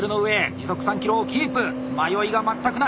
時速３ｋｍをキープ迷いが全くない。